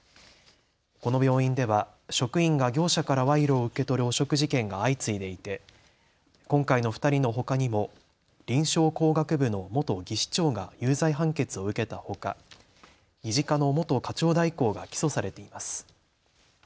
この病院では職員が業者から賄賂を受け取る汚職事件が相次いでいて今回の２人のほかにも臨床工学部の元技士長が有罪判決を受けたほか、医事課の元課長代行が起訴されています。